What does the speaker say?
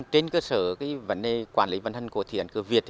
trên cơ sở vấn đề quản lý văn hân của thiện cửa việt